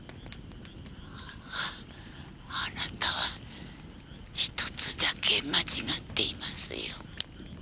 あなたは一つだけ間違っていますよ。